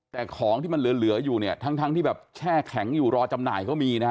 แต่ของที่มันเหลืออยู่เนี่ยทั้งทั้งที่แบบแช่แข็งอยู่รอจำหน่ายเขามีนะฮะ